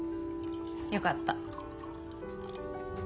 よかった。